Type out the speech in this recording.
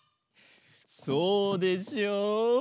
そうでしょう？